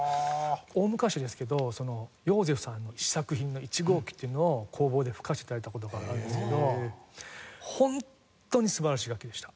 大昔ですけどヨーゼフさんの試作品の１号機っていうのを工房で吹かせて頂いた事があるんですけどホントに素晴らしい楽器でした。